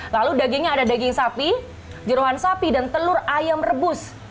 lalu dagingnya ada daging sapi jeruan sapi dan telur ayam rebus